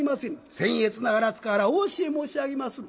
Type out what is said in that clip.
せん越ながら塚原お教え申し上げまする。